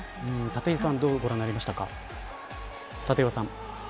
立岩さんどうご覧になりましたか。